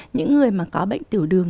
những người mà có bệnh tiểu đường